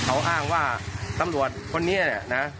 เขาอ้างว่าตำรวจคนนี้เนี่ยนะ